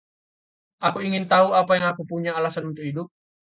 Aku ingin tahu apa aku punya alasan untuk hidup?